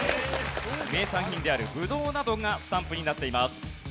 名産品であるぶどうなどがスタンプになっています。